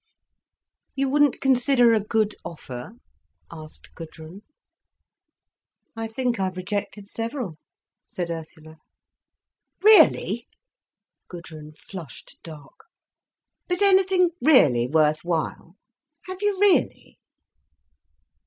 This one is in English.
"You wouldn't consider a good offer?" asked Gudrun. "I think I've rejected several," said Ursula. "Really!" Gudrun flushed dark—"But anything really worth while? Have you _really?